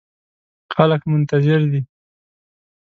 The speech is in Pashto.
خلګ منتظر دي